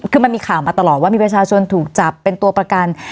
คือมันมีข่าวมาตลอดว่ามีประชาชนถูกจับเป็นตัวประกัน